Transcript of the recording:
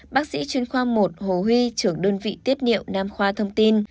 bác sĩ chuyên khoa một hồ huy trưởng đơn vị tiết niệu nam khoa thông tin